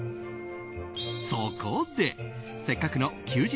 そこで、せっかくの休日